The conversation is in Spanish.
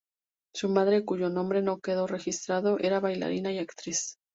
Su madre, cuyo nombre no quedó registrado, era bailarina y actriz.